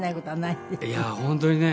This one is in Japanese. いやあ本当にね